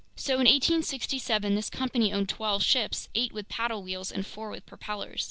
So in 1867 this company owned twelve ships, eight with paddle wheels and four with propellers.